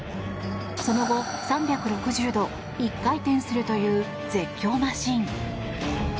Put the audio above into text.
その後３６０度１回転するという絶叫マシン。